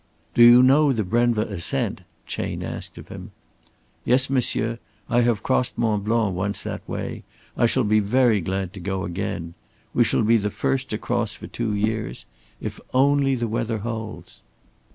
"Do you know the Brenva ascent?" Chayne asked of him. "Yes, monsieur. I have crossed Mont Blanc once that way. I shall be very glad to go again. We shall be the first to cross for two years. If only the weather holds."